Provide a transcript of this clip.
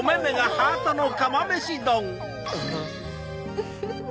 ウフフフ。